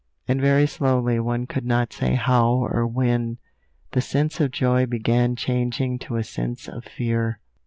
And very slowly, one could not say how or when, the sense of joy began changing to a sense of fear.